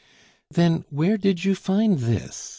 "Then, where did you find this?"